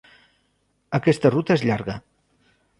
Aquesta ruta és llarga.